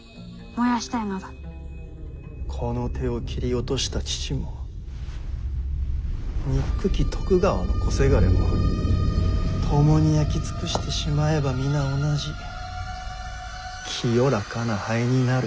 この手を斬り落とした父も憎き徳川の小せがれもともに焼き尽くしてしまえば皆同じ清らかな灰になる。